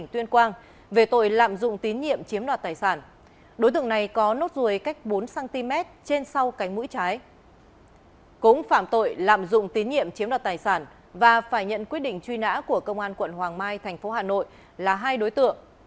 tội lạm dụng tín nhiệm chiếm đoạt tài sản và phải nhận quyết định truy nã của công an quận hoàng mai tp hà nội là hai đối tượng